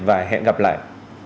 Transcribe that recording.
và hẹn gặp lại